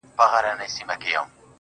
پاگل لگیا دی نن و ټول محل ته رنگ ورکوي.